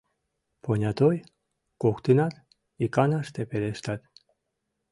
— Понятой?! — коктынат иканаште пелештат.